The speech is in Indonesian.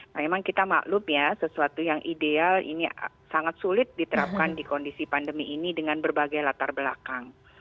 nah memang kita maklum ya sesuatu yang ideal ini sangat sulit diterapkan di kondisi pandemi ini dengan berbagai latar belakang